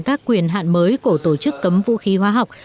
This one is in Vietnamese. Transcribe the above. các quyền hạn mới của tổ chức cấm vũ khí hóa học